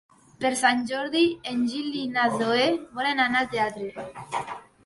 Per Sant Jordi en Gil i na Zoè volen anar al teatre.